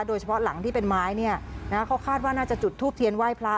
โดยเฉพาะหลังที่เป็นไม้เนี่ยนะเขาคาดว่าน่าจะจุดทูปเทียนไหว้พระ